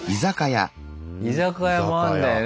居酒屋もあるんだよね。